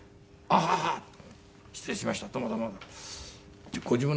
「ああー失礼しました」。